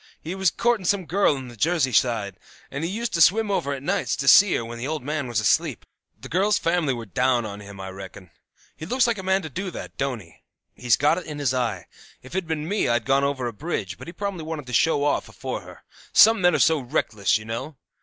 He was courting some girl on the Jersey side, and he used to swim over at nights to see her when the old man was asleep. The girl's family were down on him, I reckon. He looks like a man to do that, don't he? He's got it in his eye. If it'd been me I'd gone over on a bridge; but he probably wanted to show off afore her; some men are so reckless, you know.